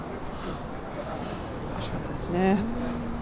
惜しかったですね。